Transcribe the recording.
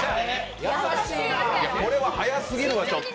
これは早すぎるわ、ちょっと。